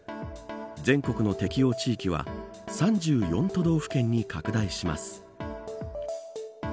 全国の適用地域は３４都道府県に拡大します。